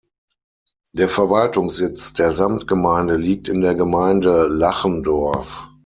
Der Verwaltungssitz der Samtgemeinde liegt in der Gemeinde Lachendorf.